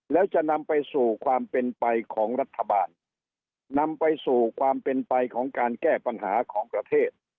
แล้วจะนำไปสู่ความเป็นไปของรัฐบาลนำไปสู่ความเป็นไปของการแก้ปัญหาของประเทศ